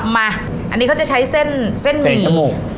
มาอันนี้เขาจะใช้เส้นหมี่